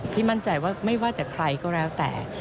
มั่นใจว่าไม่ว่าจะใครก็แล้วแต่